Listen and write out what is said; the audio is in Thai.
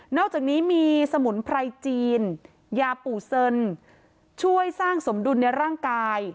อกจากนี้มีสมุนไพรจีนยาปู่เซินช่วยสร้างสมดุลในร่างกาย